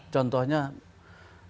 contohnya dalam periode yang lain